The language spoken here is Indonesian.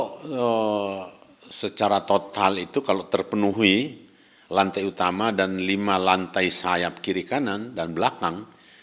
kalau secara total itu kalau terpenuhi lantai utama dan lima lantai sayap kiri kanan dan belakang